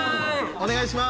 お願いします。